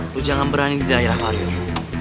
lu jangan berani di daerah warrior